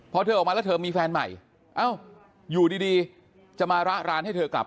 พอเธอออกมาแล้วเธอมีแฟนใหม่เอ้าอยู่ดีจะมาระร้านให้เธอกลับ